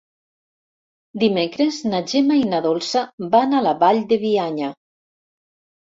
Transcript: Dimecres na Gemma i na Dolça van a la Vall de Bianya.